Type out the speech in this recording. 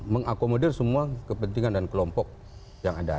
mengakomodir semua kepentingan dan kelompok yang ada